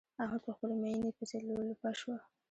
احمد په خپلې ميينې پسې لولپه شو.